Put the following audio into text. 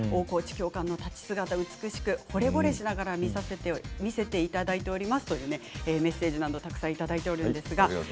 立ち姿が美しくほれぼれしながら見せていただいています、というメッセージをたくさんいただいています。